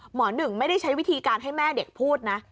หนึ่งไม่ได้ใช้วิธีการให้แม่เด็กพูดนะ